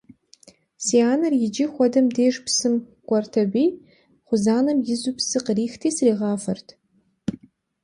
Си анэр иджы хуэдэм деж псым кӀуэрт аби, кхъузанэм изу псы къихьрти сригъафэрт.